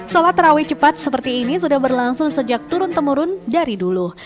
sholat terawih cepat seperti ini sudah berlangsung sejak turun temurun dari dulu